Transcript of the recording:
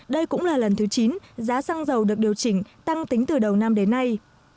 đây cũng là lần thứ chín giá xăng dầu được điều chỉnh tăng tính từ đầu năm đến nay